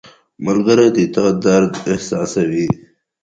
• ملګری د تا درد احساسوي.